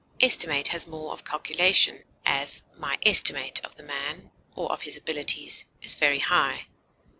Estimate has more of calculation; as, my estimate of the man, or of his abilities, is very high.